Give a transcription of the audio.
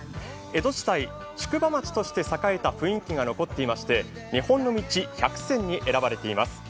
江戸時代、宿場町として栄えた雰囲気が残っていまして日本の道百選に選ばれています。